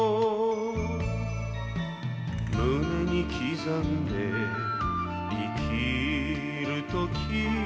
「胸に刻んで生きるとき」